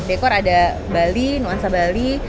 dekor ada bali nuansa bali